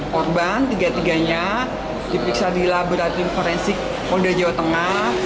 korban tiga tiganya diperiksa di laboratorium forensik polda jawa tengah